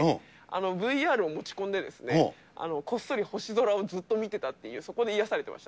ＶＲを持ち込んで、こっそり星空をずっと見てたっていう、そこで癒やされていました